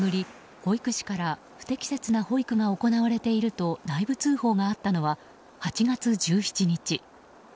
保育士から不適切な保育が行われていると内部通報があったのは８月１７日。